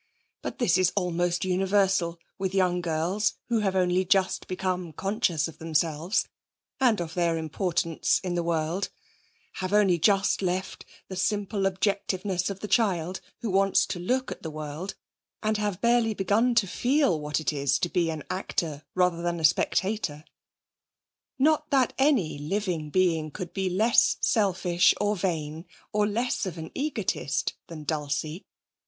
But this is almost universal with young girls who have only just become conscious of themselves, and of their importance in the world; have only just left the simple objectiveness of the child who wants to look at the world, and have barely begun to feel what it is to be an actor rather than a spectator. Not that any living being could be less selfish or vain, or less of an egotist than Dulcie.